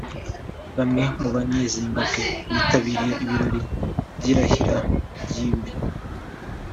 Bamwe mu banyezimbabwe bitabiriye ibirori vy’irahiraryiwe